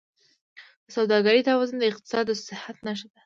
د سوداګرۍ توازن د اقتصاد د صحت نښه ده.